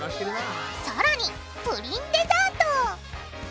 さらにプリンデザート！